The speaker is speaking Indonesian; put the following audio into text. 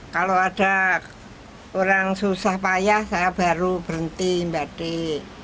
kalau ada orang susah payah saya baru berhenti membatik